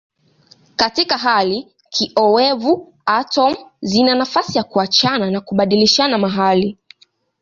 Katika hali kiowevu atomu zina nafasi ya kuachana na kubadilishana mahali.